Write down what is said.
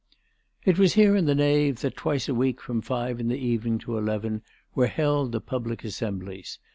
It was here in the nave that twice a week, from five in the evening to eleven, were held the public assemblies.